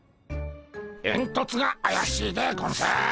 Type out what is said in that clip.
えんとつがあやしいでゴンス。